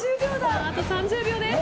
あと３０秒です。